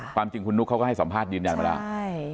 ความจริงคุณนุ๊กเขาก็ให้สัมภาษณ์ยืนยันมาแล้ว